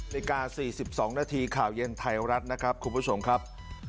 นาฬิกา๔๒นาทีข่าวเย็นไทยรัฐนะครับคุณผู้ชมครับ